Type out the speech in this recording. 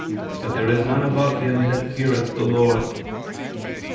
but there is none above him that feareth the Lord."